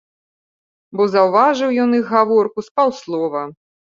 Бо заўважыў ён іх гаворку з паўслова.